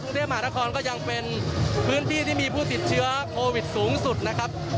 กรุงเทพมหานครก็ยังเป็นพื้นที่ที่มีผู้ติดเชื้อโควิดสูงสุดนะครับ